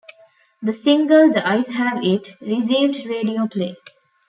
The single "The Eyes Have It" received radio play.